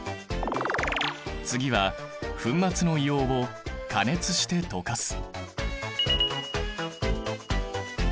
次は粉末の硫黄を加熱して溶かす。